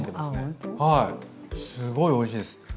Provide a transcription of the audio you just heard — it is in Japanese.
すごいおいしいです。